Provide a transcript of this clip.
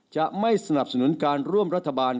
จะไม่สนับสนุนการร่วมรัฐบาล